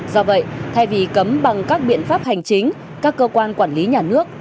do vậy thay vì cấm bằng các biện pháp hành chính các cơ quan quản lý nhà nước